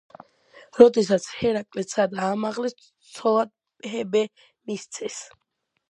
როდესაც ჰერაკლე ცად აამაღლეს ცოლად ჰებე მისცეს.